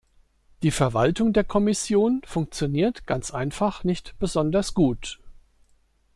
Die Verwaltung der Kommission funktioniert ganz einfach nicht besonders gut.